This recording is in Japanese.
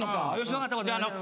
分かった。